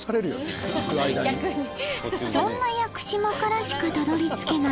そんな屋久島からしかたどり着けない